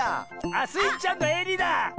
あっスイちゃんのえりだ！